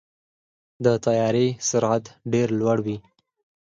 د طیارې سرعت ډېر لوړ وي.